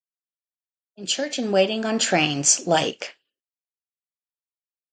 In church and waiting on trains, like.